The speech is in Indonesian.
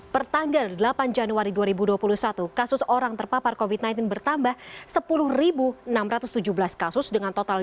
pertanggal delapan januari dua ribu dua puluh satu kasus orang terpapar covid sembilan belas bertambah sepuluh enam ratus tujuh belas kasus dengan total